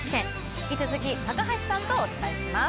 引き続き高橋さんとお伝えします。